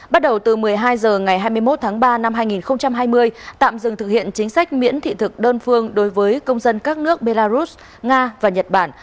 bắt đầu từ một mươi hai h ngày hai mươi một tháng ba năm hai nghìn hai mươi tạm dừng thực hiện chính sách miễn thị thực đơn phương đối với công dân các nước belarus nga và nhật bản